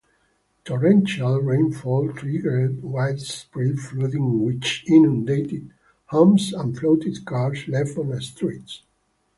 Torrential rainfall triggered widespread flooding which inundated homes and floated cars left on streets.